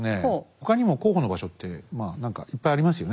他にも候補の場所ってまあ何かいっぱいありますよね。